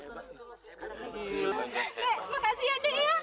makasih ya dik